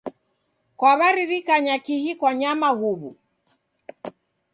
Kwaw'aririkanya kihi kwanyama huw'u?